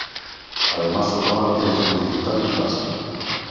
Además su cámara tiene zoom digital y flash.